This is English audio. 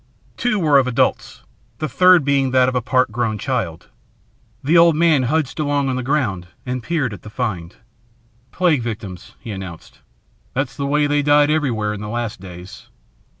Two were of adults, the third being that of a part grown child. The old man trudged along on the ground and peered at the find. "Plague victims," he announced. "That's the way they died everywhere in the last days.